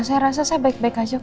saya rasa saya baik baik aja